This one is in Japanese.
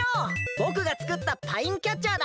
ぼくがつくったパインキャッチャーだ！